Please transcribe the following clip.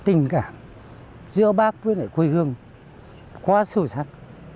tình cảm giữa bác với quê hương quá sâu sắc